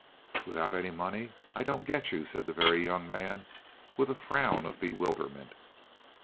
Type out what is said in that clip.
"Without any money? I don't get you," said the Very Young Man with a frown of bewilderment.